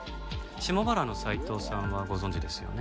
下原の斉藤さんはご存じですよね？